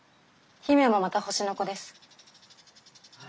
姫もまた星の子です。